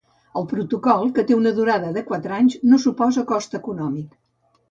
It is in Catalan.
El protocol, que té una durada de quatre anys, no suposa cost econòmic.